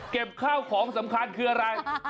ข้าวของสำคัญคืออะไร